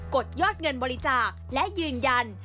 ดยอดเงินบริจาคและยืนยัน